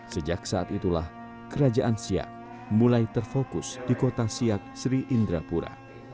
sejak saat itulah kerajaan siap mulai terfokus di kota siak sri indrapura